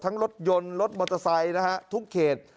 ทั้งรถยนต์รถมอเตอร์ไซค์ทุกเขต